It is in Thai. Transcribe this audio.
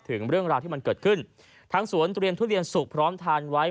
ถึงเรื่องราวที่มันเกิดขึ้นทางสวนเตรียมทุเรียนสุกพร้อมทานไว้